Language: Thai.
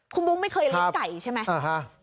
คุณบุ๊คไม่เคยเลี้ยงไก่ใช่ไหม